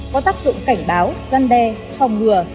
có tác dụng cảnh báo giăn đe phòng ngừa